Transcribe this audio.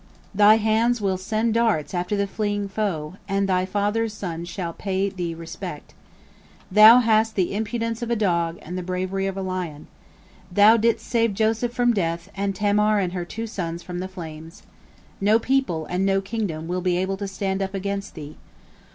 Thy hands will send darts after the fleeing foe, and thy father's sons shall pay thee respect. Thou hast the impudence of a dog and the bravery of a lion. Thou didst save Joseph from death, and Tamar and her two sons from the flames. No people and no kingdom will be able to stand up against thee.